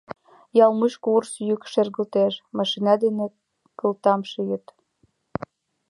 Ял мучко урыс йӱк шергылтеш, машина дене кылтам шийыт.